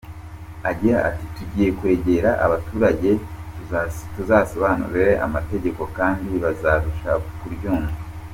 Agira ati “Tugiye kwegera abaturage tubasobanurire amategeko kandi bazarushaho kuryumva.